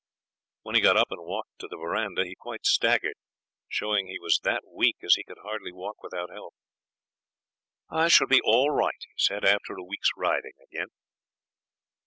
When he got up and walked to the verandah he quite staggered, showing he was that weak as he could hardly walk without help. 'I shall be all right,' he said, 'after a week's riding again.'